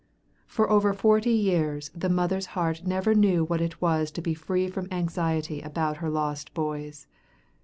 For over forty years the mother's heart never knew what it was to be free from anxiety about her lost boys.